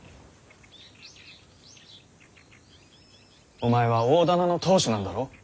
お前は大店の当主なんだろう？